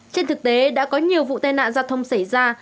trên thực tế đã có nhiều vụ tai nạn giao thông xảy ra